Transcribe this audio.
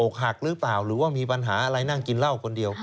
หักหรือเปล่าหรือว่ามีปัญหาอะไรนั่งกินเหล้าคนเดียว